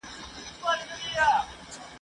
په دې شعر به څوک پوه سي !.